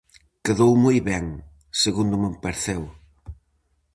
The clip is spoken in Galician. Quedou moi ben, segundo me pareceu.